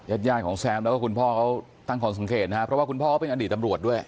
ญาติญาติของแซมแล้วก็คุณพ่อเขาตั้งข้อสังเกตนะครับเพราะว่าคุณพ่อเขาเป็นอดีตตำรวจด้วย